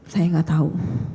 saya gak tahu